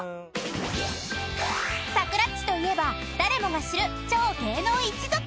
［サクラっちといえば誰もが知る超芸能一族！］